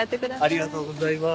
ありがとうございます。